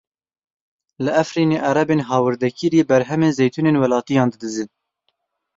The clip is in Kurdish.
Li Efrînê Erebên hawirdekirî berhemên zeytûnên welatiyan didizin.